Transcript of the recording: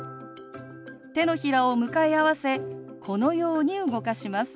手のひらを向かい合わせこのように動かします。